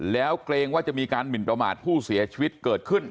แล้วเกรงว่าจะมีการหมินประมาทผู้เสียชีวิตเกิดขึ้น